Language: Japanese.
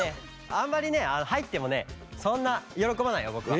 あんまりねはいってもねそんなよろこばないよぼくは。